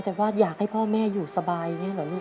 แต่ว่าอยากให้พ่อแม่อยู่สบายอย่างนี้เหรอลูก